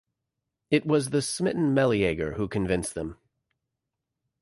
It was the smitten Meleager who convinced them.